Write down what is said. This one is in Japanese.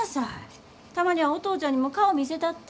たまにはお父ちゃんにも顔見せたって。